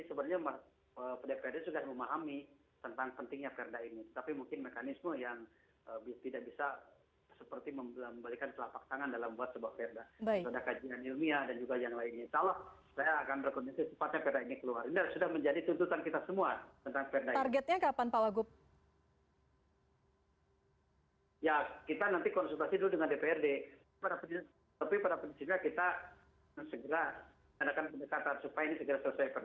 sudah ada tahapan tahapan ya